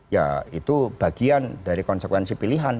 ya itu bagian dari konsekuensi pilihan